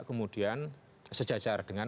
kemudian sejajar dengan